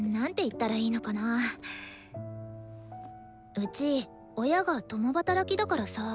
うち親が共働きだからさ